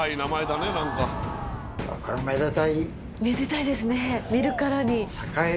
めでたいですね見るからに。